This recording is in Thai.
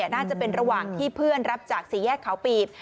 น่าจะเป็นระหว่างที่เพื่อนรับจากสี่แยกเขาปีบ